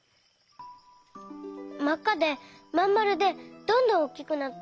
まっかでまんまるでどんどんおっきくなって。